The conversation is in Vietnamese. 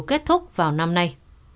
kết thúc vào năm nay